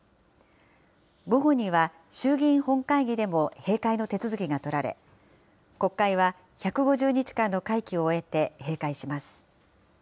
午後には衆議院本会議でも閉会の手続きが取られ、国会は１５０日間の会期を終えて閉会します。